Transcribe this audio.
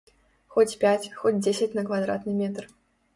Хоць пяць, хоць дзесяць на квадратны метр.